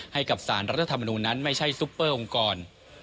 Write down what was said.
ให้กับสารรัฐธรรมนูญนั้นไม่ใช่ซุปเปอร์องค์กร